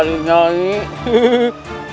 saya kan yang punya cincin ini